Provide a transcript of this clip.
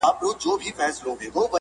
دا ځکه دی یې رښتني تجربه نلري